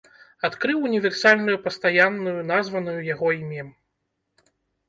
Адкрыў універсальную пастаянную, названую яго імем.